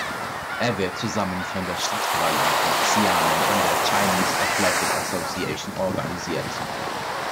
Er wird zusammen von der Stadtverwaltung von Xiamen und der "Chinese Athletic Association" organisiert.